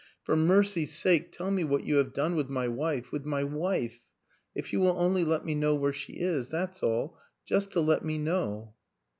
" For mercy's sake tell me what you have done with my wife with my wife? ... If you will only let me know where she is? That's all just to let me know."